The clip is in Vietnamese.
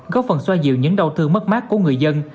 góp phần xoa dịu những đau thương mất mát của người dân